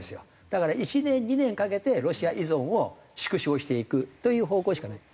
だから１年２年かけてロシア依存を縮小していくという方向しかない。